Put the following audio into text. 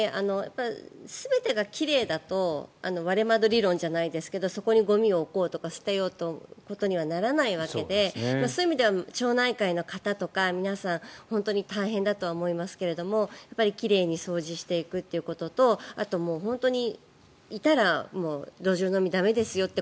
全てが奇麗だと割れ窓理論じゃないですけどそこにゴミを置こうとか捨てようということにはならないわけでそういう意味では町内会の方とか皆さん本当に大変だとは思いますが奇麗に掃除していくということとあと本当にいたら路上飲み駄目ですよって